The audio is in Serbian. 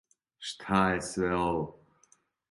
Шта је све ово.